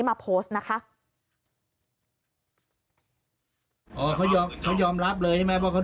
แล้วก็นี่ครับก็เล่าให้รอยเวนฟังรอยเวนบอกผมว่า